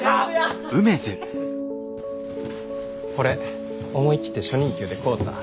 これ思い切って初任給で買うた。